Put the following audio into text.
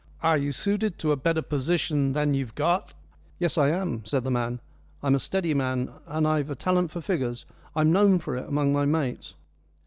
Are you suited to a better position than you've got?" "Yes, I am," said the man, "I'm a steady man, and I've a talent for figures. I'm known for it among my mates."